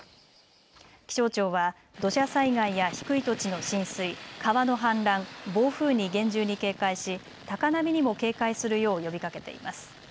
気象庁は土砂災害や低い土地の浸水、川の氾濫、暴風に厳重に警戒し高波にも警戒するよう呼びかけています。